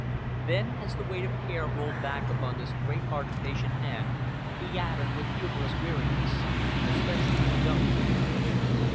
Then, as the weight of care rolled back upon this greathearted, patient man, he added, with humorous weariness, "especially the goats."